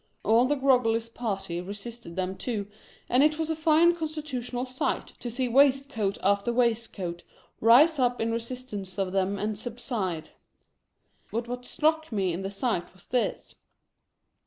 All the Groggles party resisted them too, and it was a fine constitutional sight to see waistcoat after waist coat rise up in resistance of them and subside. But what struck me in the sight was this.